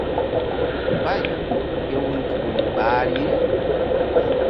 Mbay hew nzukri ɓahri.